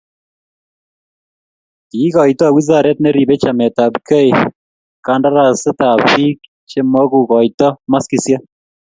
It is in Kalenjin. kiikoito wizaret ne ribei chametabgeikandarasitab biik che mukukoitoi maskisiek.